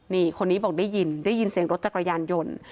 นี่คนนี้บอกได้ยินได้ยินเสียงรถจักรยานยนต์